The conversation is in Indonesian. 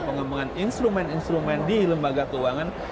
pengembangan instrumen instrumen di lembaga keuangan